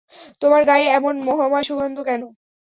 তোমার গায়ে এমন মোহময় সুগন্ধ কেন!